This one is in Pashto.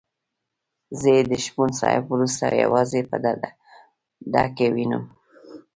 زه یې د شپون صاحب وروسته یوازې په ده کې وینم.